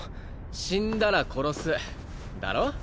死んだら殺すだろ？